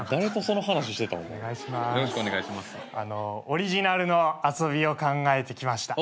オリジナルの遊びを考えてきました。